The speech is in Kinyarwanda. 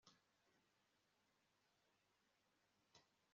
inzu ye ntabwo iri kure aha